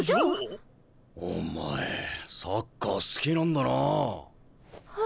お前サッカー好きなんだなあ。